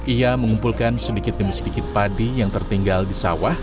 ia mengumpulkan sedikit demi sedikit padi yang tertinggal di sawah